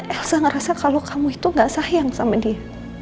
elsa ngerasa kalau kamu itu gak sayang sama dia